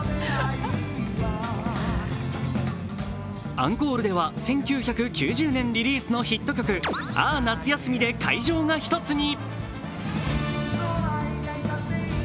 アンコールでは１９９０年リリースのヒット曲、「あー夏休み」で会場が１つに。